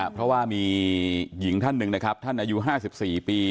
เพราะว่ามีหญิงท่านหนึ่งนะครับท่านอายุ๕๔ปี